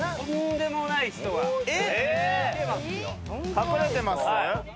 隠れてます？